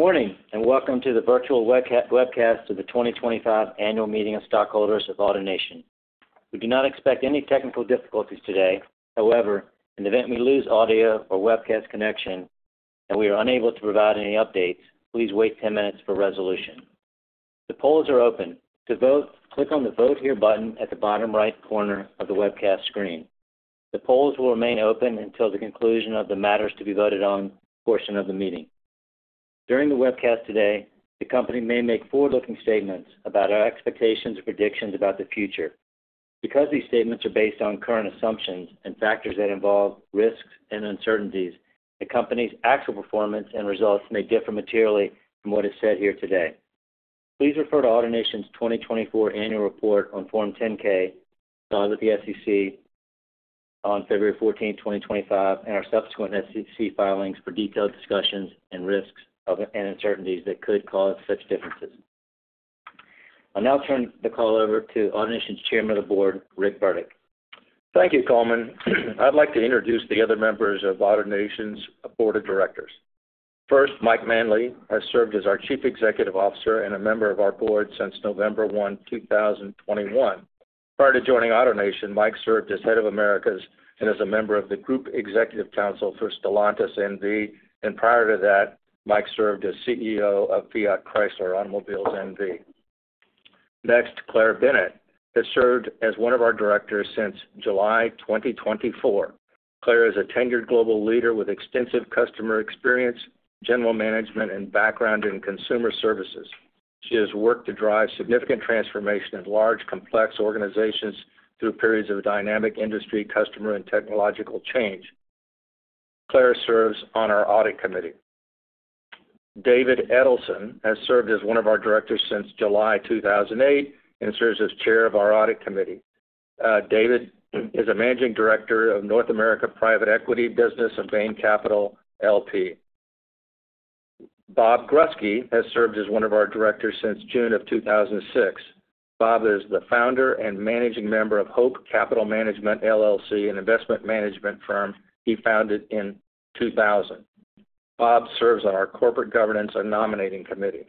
Good morning and welcome to the virtual webcast of the 2025 Annual Meeting of Stockholders of AutoNation. We do not expect any technical difficulties today. However, in the event we lose audio or webcast connection and we are unable to provide any updates, please wait 10 minutes for resolution. The polls are open. To vote, click on the "Vote Here" button at the bottom right corner of the webcast screen. The polls will remain open until the conclusion of the matters to be voted on portion of the meeting. During the webcast today, the company may make forward-looking statements about our expectations and predictions about the future. Because these statements are based on current assumptions and factors that involve risks and uncertainties, the company's actual performance and results may differ materially from what is said here today. Please refer to AutoNation's 2024 Annual Report on Form 10-K filed with the SEC on February 14, 2025, and our subsequent SEC filings for detailed discussions and risks and uncertainties that could cause such differences. I'll now turn the call over to AutoNation's Chairman of the Board, Rick Burdick. Thank you, Coleman. I'd like to introduce the other members of AutoNation's Board of Directors. First, Mike Manley has served as our Chief Executive Officer and a member of our board since November 1, 2021. Prior to joining AutoNation, Mike served as Head of Americas and as a member of the Group Executive Council for Stellantis NV. Prior to that, Mike served as CEO of Fiat Chrysler Automobiles NV. Next, Claire Bennett has served as one of our directors since July 2024. Claire is a tenured global leader with extensive customer experience, general management, and background in consumer services. She has worked to drive significant transformation in large, complex organizations through periods of dynamic industry customer and technological change. Claire serves on our Audit Committee. David Edelson has served as one of our directors since July 2008 and serves as Chair of our Audit Committee. David is a Managing Director of North America Private Equity Business of Bain Capital LP. Bob Grusky has served as one of our directors since June of 2006. Bob is the founder and managing member of Hope Capital Management LLC, an investment management firm he founded in 2000. Bob serves on our Corporate Governance and Nominating Committee.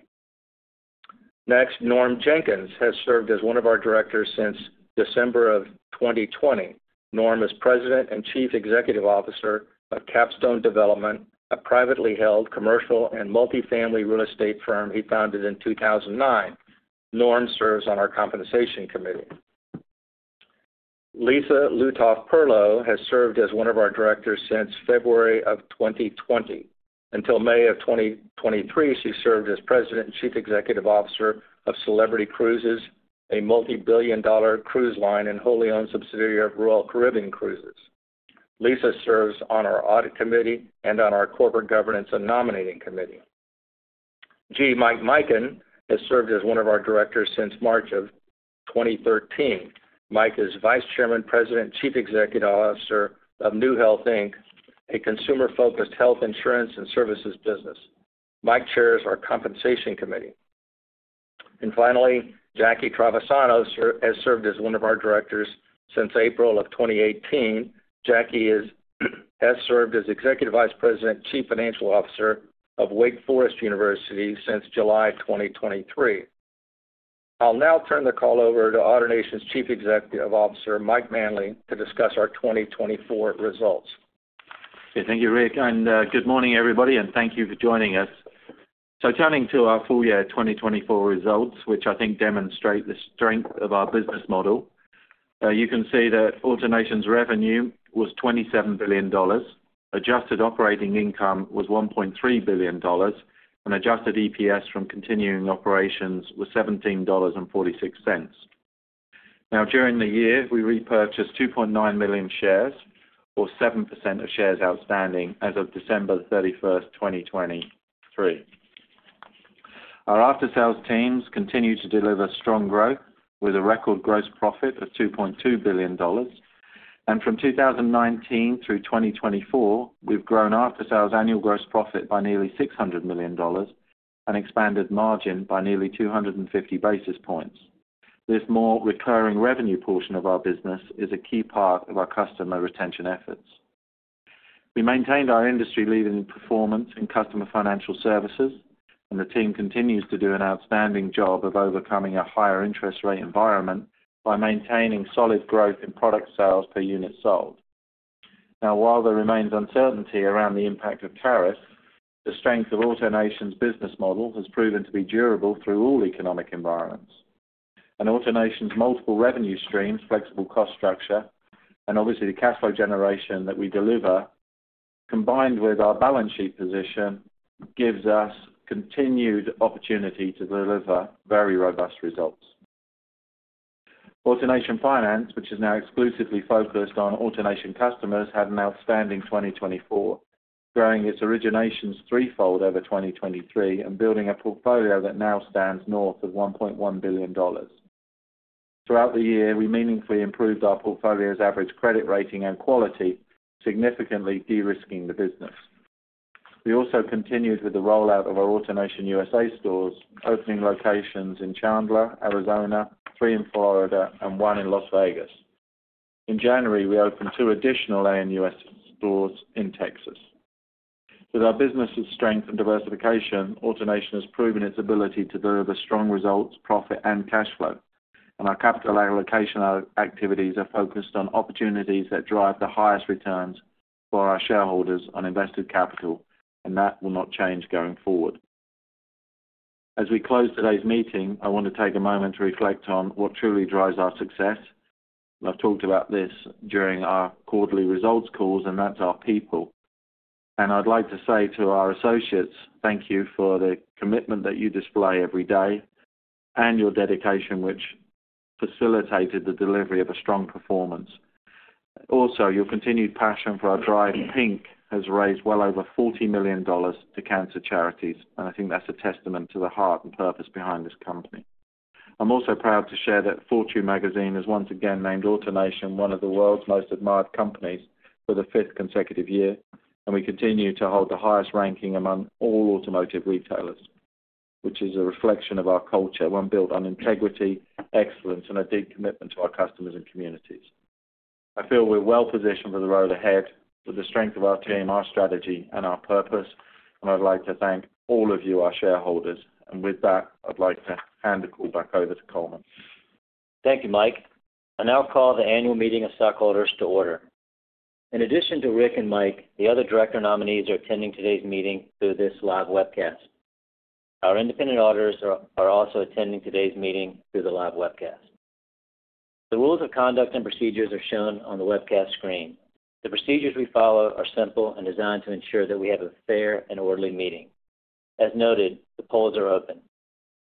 Next, Norm Jenkins has served as one of our directors since December of 2020. Norm is President and Chief Executive Officer of Capstone Development, a privately held commercial and multifamily real estate firm he founded in 2009. Norm serves on our Compensation Committee. Lisa Lutoff-Perlo has served as one of our directors since February of 2020. Until May of 2023, she served as President and Chief Executive Officer of Celebrity Cruises, a multi-billion dollar cruise line and wholly owned subsidiary of Royal Caribbean Cruises. Lisa serves on our Audit Committee and on our Corporate Governance and Nominating Committee. G. Mike Mikan has served as one of our directors since March of 2013. Mike is Vice Chairman, President, and Chief Executive Officer of NeueHealth Inc., a consumer-focused health insurance and services business. Mike chairs our Compensation Committee. Finally, Jackie Travisano has served as one of our directors since April of 2018. Jackie has served as Executive Vice President and Chief Financial Officer of Wake Forest University since July 2023. I'll now turn the call over to AutoNation's Chief Executive Officer, Mike Manley, to discuss our 2024 results. Okay, thank you, Rick. Good morning, everybody, and thank you for joining us. Turning to our full year 2024 results, which I think demonstrate the strength of our business model, you can see that AutoNation's revenue was $27 billion. Adjusted operating income was $1.3 billion, and adjusted EPS from continuing operations was $17.46. During the year, we repurchased 2.9 million shares, or 7% of shares outstanding as of December 31, 2023. Our aftersales teams continue to deliver strong growth with a record gross profit of $2.2 billion. From 2019 through 2024, we've grown aftersales annual gross profit by nearly $600 million and expanded margin by nearly 250 basis points. This more recurring revenue portion of our business is a key part of our customer retention efforts. We maintained our industry-leading performance in customer financial services, and the team continues to do an outstanding job of overcoming a higher interest rate environment by maintaining solid growth in product sales per unit sold. While there remains uncertainty around the impact of tariffs, the strength of AutoNation's business model has proven to be durable through all economic environments. AutoNation's multiple revenue streams, flexible cost structure, and obviously the cash flow generation that we deliver, combined with our balance sheet position, gives us continued opportunity to deliver very robust results. AutoNation Finance, which is now exclusively focused on AutoNation customers, had an outstanding 2024, growing its originations threefold over 2023 and building a portfolio that now stands north of $1.1 billion. Throughout the year, we meaningfully improved our portfolio's average credit rating and quality, significantly de-risking the business. We also continued with the rollout of our AutoNation USA stores, opening locations in Chandler, Arizona, three in Florida, and one in Las Vegas. In January, we opened two additional AutoNation USA stores in Texas. With our business's strength and diversification, AutoNation has proven its ability to deliver strong results, profit, and cash flow. Our capital allocation activities are focused on opportunities that drive the highest returns for our shareholders on invested capital, and that will not change going forward. As we close today's meeting, I want to take a moment to reflect on what truly drives our success. I've talked about this during our quarterly results calls, and that's our people. I'd like to say to our associates, thank you for the commitment that you display every day and your dedication, which facilitated the delivery of a strong performance. Also, your continued passion for our Drive Pink has raised well over $40 million to cancer charities and think that's a testament to the heart and purpose behind this company. I'm also proud to share that Fortune Magazine has once again named AutoNation one of the world's most admired companies for the fifth consecutive year. We continue to hold the highest ranking among all automotive retailers, which is a reflection of our culture, one built on integrity, excellence, and a deep commitment to our customers and communities. I feel we're well positioned for the road ahead with the strength of our team, our strategy, and our purpose. I'd like to thank all of you, our shareholders. With that, I'd like to hand the call back over to Coleman. Thank you, Mike. I now call the Annual Meeting of Stockholders to order. In addition to Rick and Mike, the other director nominees are attending today's meeting through this live webcast. Our independent auditors are also attending today's meeting through the live webcast. The rules of conduct and procedures are shown on the webcast screen. The procedures we follow are simple and designed to ensure that we have a fair and orderly meeting. As noted, the polls are open.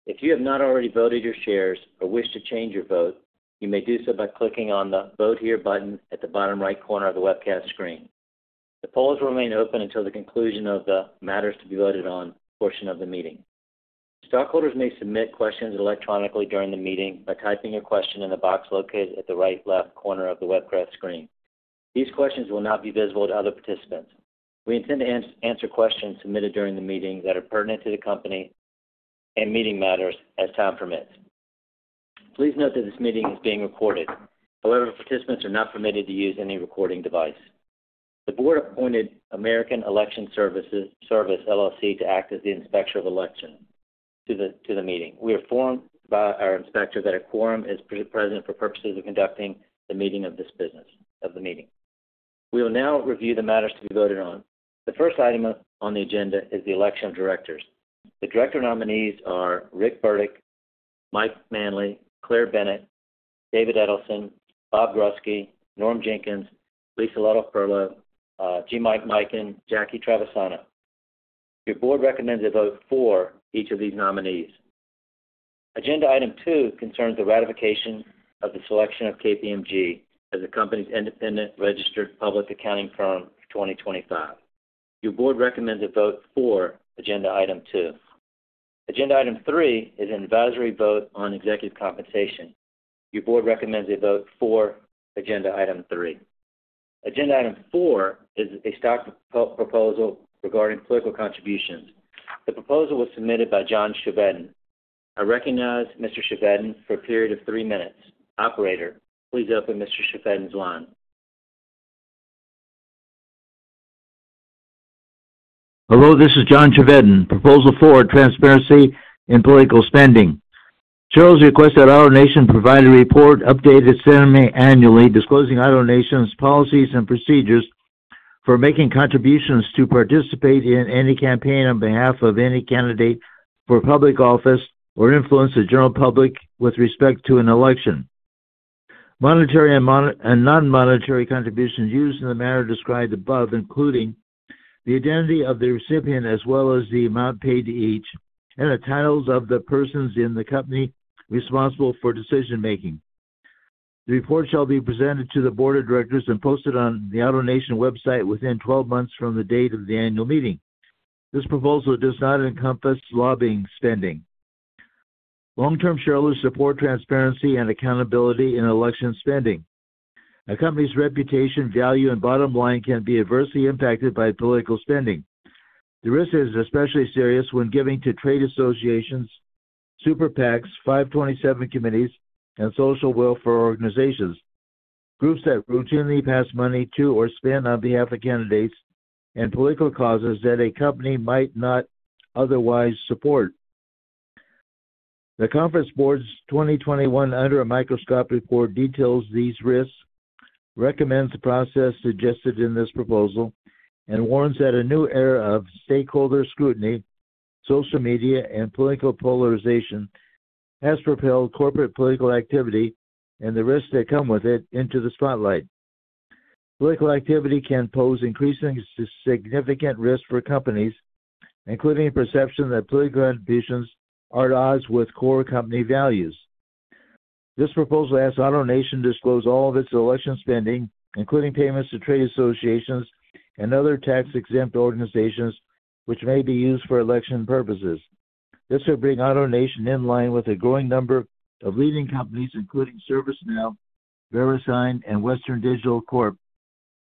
If you have not already voted your shares or wish to change your vote, you may do so by clicking on the "Vote Here" button at the bottom right corner of the webcast screen. The polls will remain open until the conclusion of the matters to be voted on portion of the meeting. Stockholders may submit questions electronically during the meeting by typing your question in the box located at the right left corner of the webcast screen. These questions will not be visible to other participants. We intend to answer questions submitted during the meeting that are pertinent to the company and meeting matters as time permits. Please note that this meeting is being recorded. However, participants are not permitted to use any recording device. The board appointed American Election Services LLC to act as the inspector of election to the meeting we are informed by our inspector that a quorum is present for purposes of conducting the meeting of this business of the meeting. We will now review the matters to be voted on. The first item on the agenda is the election of directors. The director nominees are Rick Burdick, Mike Manley, Claire Bennett, David Edelson, Bob Gruske, Norm Jenkins, Lisa Lutoff-Perlo, G. Mike Mikan, Jackie Travisano. Your board recommends a vote for each of these nominees. Agenda item two concerns the ratification of the selection of KPMG as the company's independent registered public accounting firm for 2025. Your board recommends a vote for agenda item two. Agenda item three is an advisory vote on executive compensation. Your board recommends a vote for agenda item three. Agenda item four is a stockholder proposal regarding political contributions. The proposal was submitted by John Chevedden. I recognize Mr.Chevedden for a period of three minutes. Operator, please open Mr.Chevedden's line. Hello, this is John Chevedden. Proposal four, transparency in political spending. Charles requests that AutoNation provide a report updated semi-annually, disclosing AutoNation's policies and procedures for making contributions to participate in any campaign on behalf of any candidate for public office or influence the general public with respect to an election. Monetary and non-monetary contributions used in the manner described above, including the identity of the recipient as well as the amount paid to each, and the titles of the persons in the company responsible for decision-making. The report shall be presented to the board of directors and posted on the AutoNation website within 12 months from the date of the annual meeting. This proposal does not encompass lobbying spending. Long-term shareholders support transparency and accountability in election spending. A company's reputation, value, and bottom line can be adversely impacted by political spending. The risk is especially serious when giving to trade associations, super PACs, 527 committees, and social welfare organizations, groups that routinely pass money to or spend on behalf of candidates, and political causes that a company might not otherwise support. The Conference Board's 2021 Under a Microscope report details these risks, recommends the process suggested in this proposal, and warns that a new era of stakeholder scrutiny, social media, and political polarization has propelled corporate political activity and the risks that come with it into the spotlight. Political activity can pose increasing significant risk for companies, including perception that political ambitions are at odds with core company values. This proposal asks AutoNation to disclose all of its election spending, including payments to trade associations and other tax-exempt organizations, which may be used for election purposes. This would bring AutoNation in line with a growing number of leading companies, including ServiceNow, Verisign, and Western Digital Corp,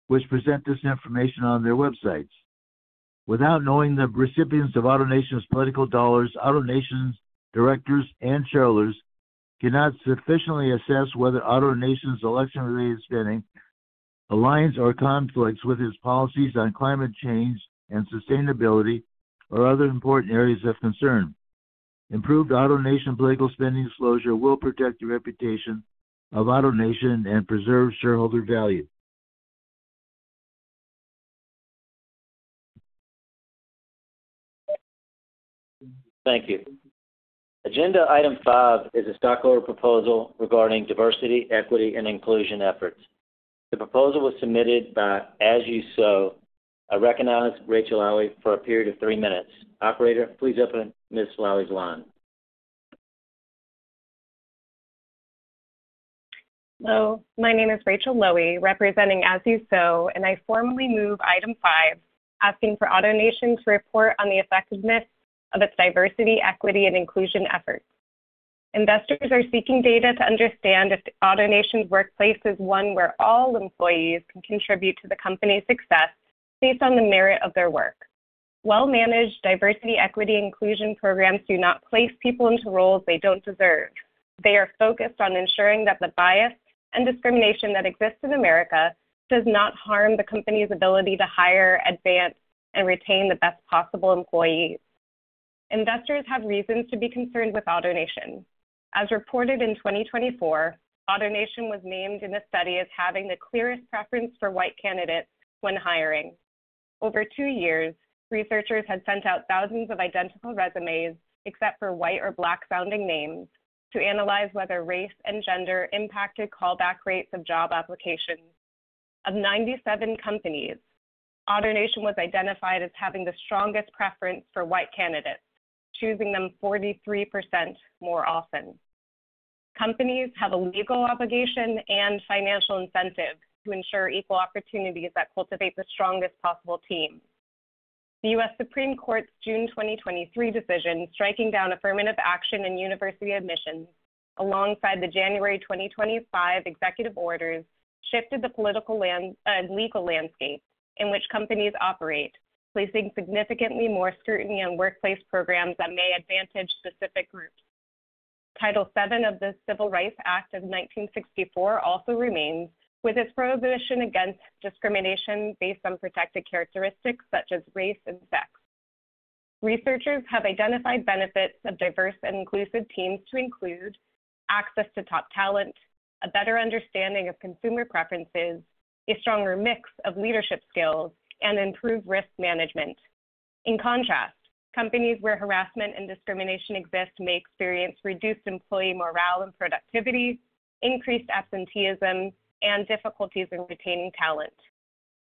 which present this information on their websites. Without knowing the recipients of AutoNation's political dollars, AutoNation's directors and shareholders cannot sufficiently assess whether AutoNation's election-related spending aligns or conflicts with its policies on climate change and sustainability or other important areas of concern. Improved AutoNation political spending disclosure will protect the reputation of AutoNation and preserve shareholder value. Thank you. Agenda item five is a stockholder proposal regarding diversity, equity, and inclusion efforts. The proposal was submitted by As You Sow. I recognize Rachel Lowe for a period of three minutes. Operator, please open Ms. Lowe's line. Hello. My name is Rachel Lowe, representing As You Sow, and I formally move item five, asking for AutoNation to report on the effectiveness of its diversity, equity, and inclusion efforts. Investors are seeking data to understand if AutoNation's workplace is one where all employees can contribute to the company's success based on the merit of their work. Well-managed diversity, equity, and inclusion programs do not place people into roles they do not deserve. They are focused on ensuring that the bias and discrimination that exists in America does not harm the company's ability to hire, advance, and retain the best possible employees. Investors have reasons to be concerned with AutoNation. As reported in 2024, AutoNation was named in the study as having the clearest preference for white candidates when hiring. Over two years, researchers had sent out thousands of identical resumes, except for white or black-sounding names, to analyze whether race and gender impacted callback rates of job applications. Of 97 companies, AutoNation was identified as having the strongest preference for white candidates, choosing them 43% more often. Companies have a legal obligation and financial incentive to ensure equal opportunities that cultivate the strongest possible team. The U.S. Supreme Court's June 2023 decision, striking down affirmative action in university admissions alongside the January 2025 executive orders, shifted the political and legal landscape in which companies operate, placing significantly more scrutiny on workplace programs that may advantage specific groups. Title VII of the Civil Rights Act of 1964 also remains, with its prohibition against discrimination based on protected characteristics such as race and sex. Researchers have identified benefits of diverse and inclusive teams to include access to top talent, a better understanding of consumer preferences, a stronger mix of leadership skills, and improved risk management. In contrast, companies where harassment and discrimination exist may experience reduced employee morale and productivity, increased absenteeism, and difficulties in retaining talent.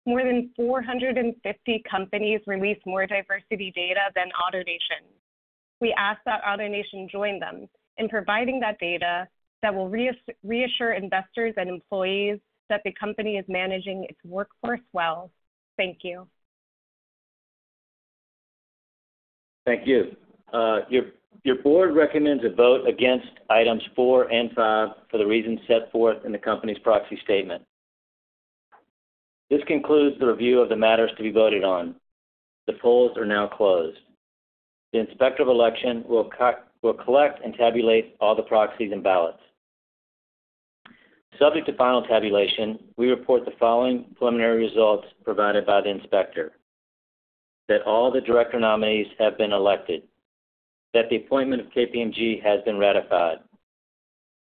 More than 450 companies release more diversity data than AutoNation. We ask that AutoNation join them in providing that data that will reassure investors and employees that the company is managing its workforce well. Thank you. Thank you. Your board recommends a vote against items four and five for the reasons set forth in the company's proxy statement. This concludes the review of the matters to be voted on. The polls are now closed. The inspector of election will collect and tabulate all the proxies and ballots. Subject to final tabulation, we report the following preliminary results provided by the inspector: that all the director nominees have been elected, that the appointment of KPMG has been ratified,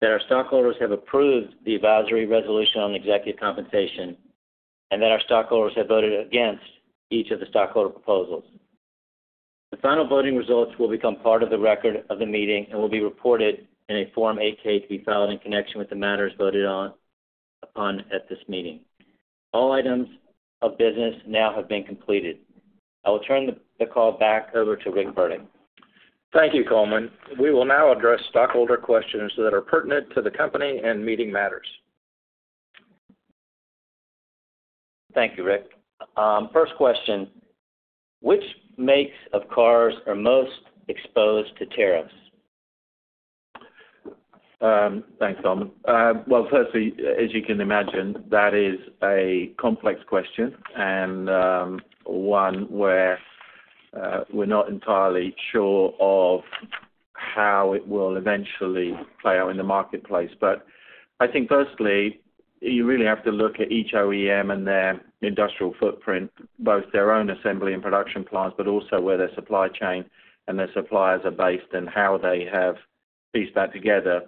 that our stockholders have approved the advisory resolution on executive compensation. And that our stockholders have voted against each of the stockholder proposals. The final voting results will become part of the record of the meeting and will be reported in a Form 8-K to be filed in connection with the matters voted on upon at this meeting. All items of business now have been completed. I will turn the call back over to Rick Burdick. Thank you, Coleman. We will now address stockholder questions that are pertinent to the company and meeting matters. Thank you, Rick. First question: which makes of cars are most exposed to tariffs? Thanks, Coleman. Firstly, as you can imagine, that is a complex question and one where we're not entirely sure of how it will eventually play out in the marketplace. I think, firstly, you really have to look at each OEM and their industrial footprint, both their own assembly and production plants, but also where their supply chain and their suppliers are based and how they have pieced that together.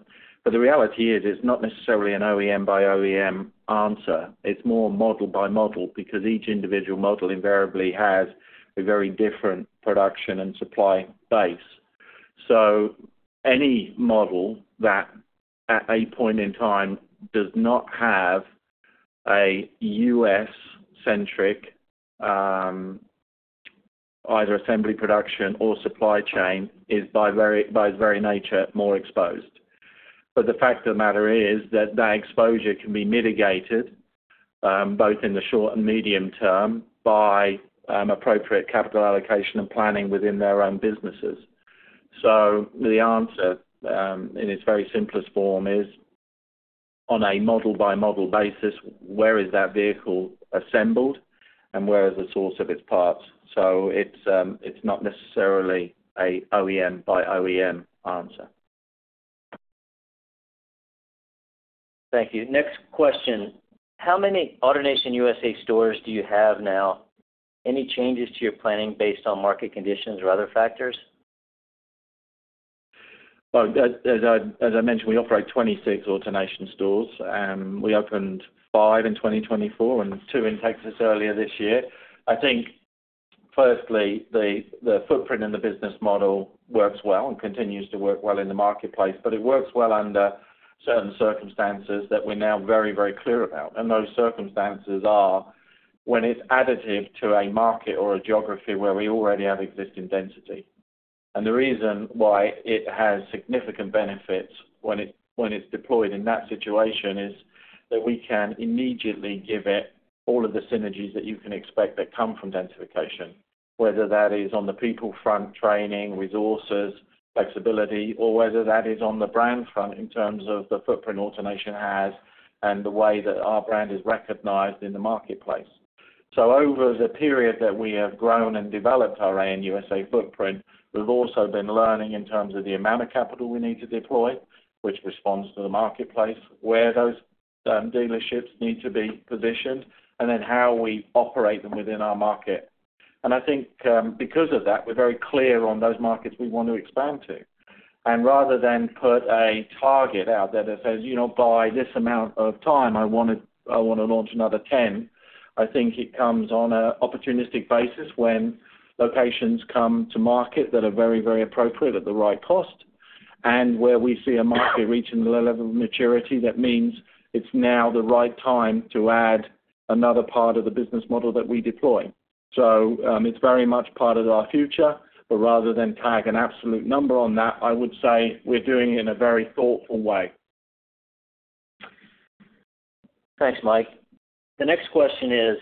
The reality is it's not necessarily an OEM-by-OEM answer it's more model-by-model because each individual model invariably has a very different production and supply base. Any model that, at a point in time, does not have a U.S.-centric either assembly production or supply chain is, by its very nature, more exposed. The fact of the matter is that that exposure can be mitigated both in the short and medium term by appropriate capital allocation and planning within their own businesses. The answer, in its very simplest form, is on a model-by-model basis, where is that vehicle assembled and where is the source of its parts? It is not necessarily an OEM-by-OEM answer. Thank you. Next question: how many AutoNation USA stores do you have now? Any changes to your planning based on market conditions or other factors? As I mentioned, we operate 26 AutoNation stores. We opened five in 2024 and two in Texas earlier this year. I think, firstly, the footprint and the business model works well and continues to work well in the marketplace, but it works well under certain circumstances that we're now very, very clear about. Those circumstances are when it's additive to a market or a geography where we already have existing density. The reason why it has significant benefits when it's deployed in that situation is that we can immediately give it all of the synergies that you can expect that come from densification, whether that is on the people front, training, resources, flexibility, or whether that is on the brand front in terms of the footprint AutoNation has and the way that our brand is recognized in the marketplace. Over the period that we have grown and developed our ANUSA footprint, we've also been learning in terms of the amount of capital we need to deploy, which responds to the marketplace, where those dealerships need to be positioned, and then how we operate them within our market. I think because of that, we're very clear on those markets we want to expand to. Rather than put a target out there that says, "By this amount of time, I want to launch another 10," I think it comes on an opportunistic basis when locations come to market that are very, very appropriate at the right cost and where we see a market reaching the level of maturity that means it's now the right time to add another part of the business model that we deploy. It is very much part of our future, but rather than tag an absolute number on that, I would say we are doing it in a very thoughtful way. Thanks, Mike. The next question is: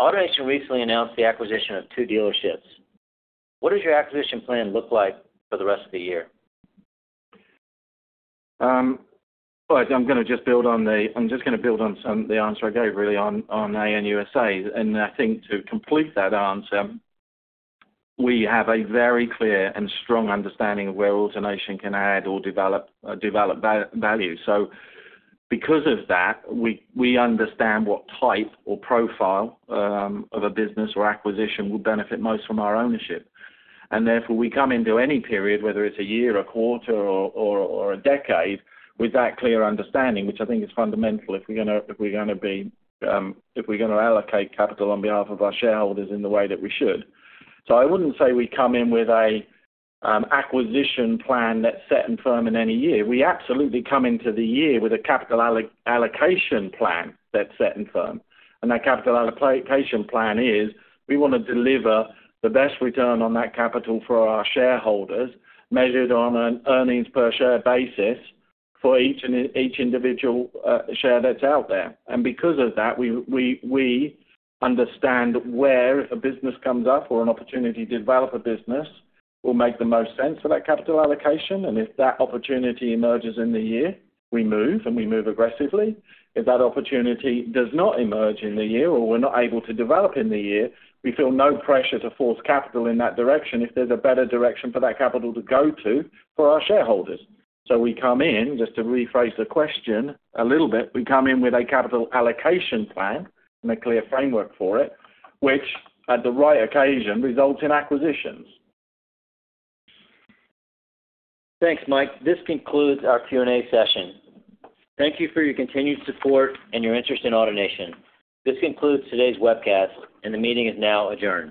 AutoNation recently announced the acquisition of two dealerships. What does your acquisition plan look like for the rest of the year? I'm just going to build on the answer I gave, really, on ANUSA. I think to complete that answer, we have a very clear and strong understanding of where AutoNation can add or develop value. Because of that, we understand what type or profile of a business or acquisition would benefit most from our ownership. Therefore, we come into any period, whether it's a year, a quarter, or a decade, with that clear understanding, which I think is fundamental if we're going to allocate capital on behalf of our shareholders in the way that we should. I wouldn't say we come in with an acquisition plan that's set and firm in any year we absolutely come into the year with a capital allocation plan that's set and firm. That capital allocation plan is we want to deliver the best return on that capital for our shareholders, measured on an earnings per share basis for each individual share that's out there. Because of that, we understand where a business comes up or an opportunity to develop a business will make the most sense for that capital allocation if that opportunity emerges in the year, we move, and we move aggressively. If that opportunity does not emerge in the year or we're not able to develop in the year, we feel no pressure to force capital in that direction if there's a better direction for that capital to go to for our shareholders. We come in, just to rephrase the question a little bit, we come in with a capital allocation plan and a clear framework for it, which, at the right occasion, results in acquisitions. Thanks, Mike. This concludes our Q&A session. Thank you for your continued support and your interest in AutoNation. This concludes today's webcast, and the meeting is now adjourned.